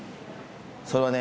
それはね